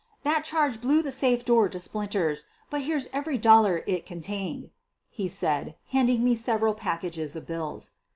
"That charge blew the safe door to splinters, but here's every dollar it contained," he said, handing me several packages of bills.